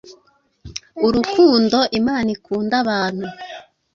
Urukundo Imana ikunda abantu,